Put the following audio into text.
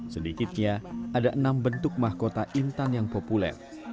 sedikitnya ada enam bentuk mahkota intan yang populer